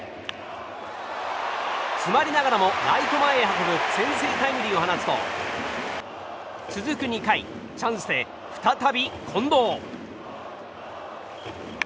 詰まりながらもライト前へ運ぶ先制タイムリーを放つと続く２回チャンスで再び近藤。